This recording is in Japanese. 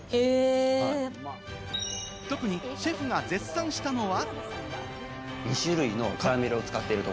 特にシェフが絶賛したのは。